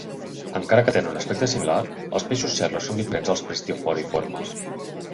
Encara que tenen un aspecte similar, els peixos serra són diferents als pristioforiformes.